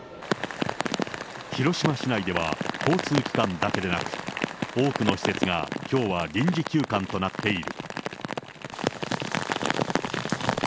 広島市内では、交通機関だけでなく、多くの施設がきょうは臨時休館となっている。